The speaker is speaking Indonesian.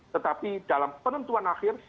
tetapi dalam penentuan akhir